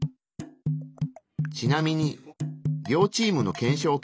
ちなみに両チームの検証結果は。